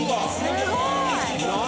すごい！何？